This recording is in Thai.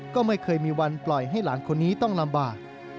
ก็ไม่เคยมีวันปล่อยให้หลานคนนี้ต้องลำบาก